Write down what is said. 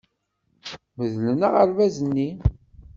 Medlen aɣerbaz-nni.